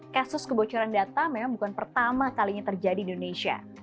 kasus kebocoran data memang bukan pertama kalinya terjadi di indonesia